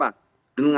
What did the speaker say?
jawabkan dengan apa